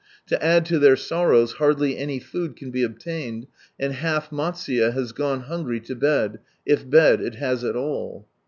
To add to their sorrows, hardly any food can be obtained, and half Matsuye has gone hungry to bed — if bed it has at all.